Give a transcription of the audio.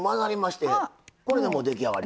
これでもう出来上がり？